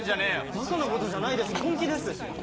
ばかなことじゃないです本気です！